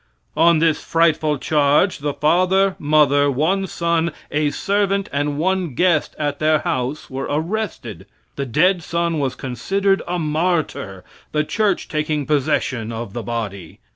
On this frightful charge the father, mother, one son, a servant, and one guest at their house were arrested. The dead son was considered a martyr, the church taking possession of the body.